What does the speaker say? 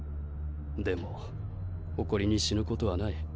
でも誇りに死ぬことはない。